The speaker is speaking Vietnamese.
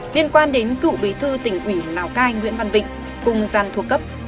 liên quan đến cựu bí thư tỉnh ủy lào cai nguyễn văn vịnh cùng giàn thuộc cấp